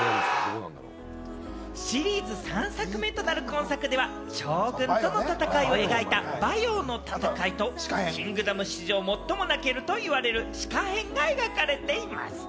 シリーズ３作目となる今作では、趙軍の戦いを描いた馬陽の戦いと、『キングダム』史上最も泣けるといわれる紫夏編が描かれています。